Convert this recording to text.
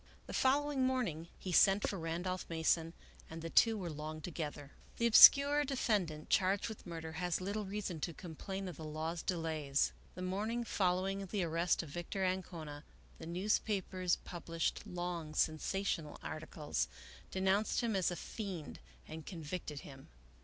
The following morning he sent for Randolph Mason and the two were long together. IV The obscure defendant charged with murder has little reason to complain of the law's delays. The morning fol lowing the arrest of Victor Ancona, the newspapers pub lished long sensational articles, denounced him as a fiend, 85 American Mysterv Stories and convicted him.